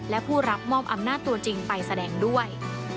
และผู้รับมอบอำนาจตัวจริงไปแสดงด้วย